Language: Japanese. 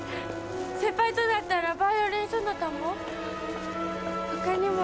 先輩とだったら「バイオリンソナタ」も。